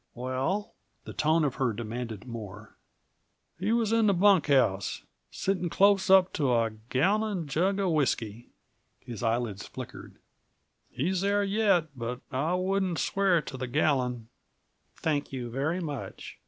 "Well?" The tone of her demanded more. "He was in the bunk house sitting close up to a gallon jug of whisky." His eyelids flickered. "He's there yet but I wouldn't swear to the gallon " "Thank you very much."